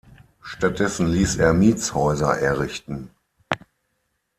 Stattdessen ließ er Mietshäuser errichten.